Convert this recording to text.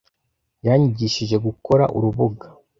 Yanyigishije gukora urubuga.